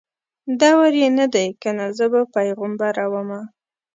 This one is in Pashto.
دور یې نه دی کنه زه به پیغمبره ومه